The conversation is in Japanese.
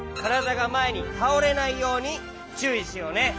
がまえにたおれないようにちゅういしようね。